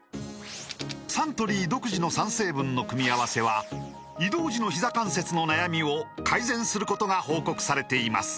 サントリー独自の３成分の組み合わせは移動時のひざ関節の悩みを改善することが報告されています